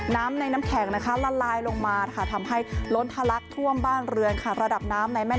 น้ำในน้ำแข็งละลายลงมาทำให้ล้นทะลักท่วมบ้านเรือน